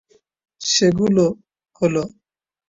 সেগুলো হল-